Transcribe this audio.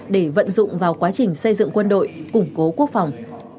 để vận dụng vào quá trình xây dựng quân đội củng cố quốc phòng